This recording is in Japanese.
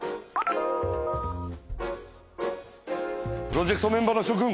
プロジェクトメンバーのしょ君。